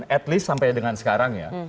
setidaknya sampai dengan sekarang